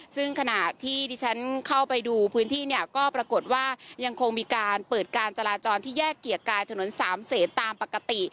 ซึ่งขณะที่ที่ฉันเข้าไปดูพื้นที่เนี่ยก็ปรากฏว่ายังคงมีการเปิดการจราจรที่แยกเกียรติกายถนนสามเศษตามปกติ